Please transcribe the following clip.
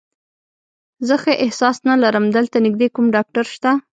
زه ښه احساس نه لرم، دلته نږدې کوم ډاکټر شته؟